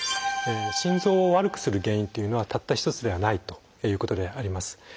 心臓を悪くする原因というのはたった一つではないということであります。